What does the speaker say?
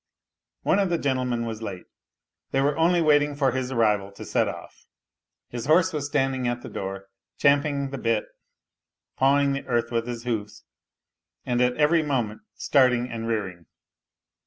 One of the gentlemen was late. They were only waiting for his arrival to set off. His horse was standing at the door, champing the bit, pawing the earth with his hoofs, and at every moment starting and rearing.